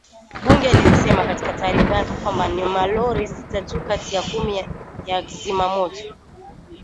Bunge lilisema katika taarifa yake kwamba ni malori sita tu kati ya kumi ya zimamoto